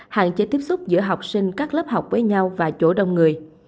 hạn chế tiếp xúc giữa học sinh các lớp học với nhau và chỗ đông người